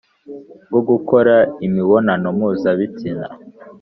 Bwo gukora imibonano mpuzabitsina